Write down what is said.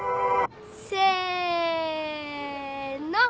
せの！